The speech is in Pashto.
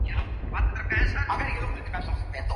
که په دېغت وای نو زه به نه وای .